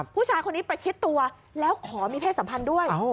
ผู้ชายคนนี้ประชิดตัวแล้วขอมีเพศสัมพันธ์ด้วย